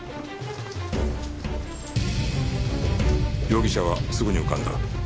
容疑者はすぐに浮かんだ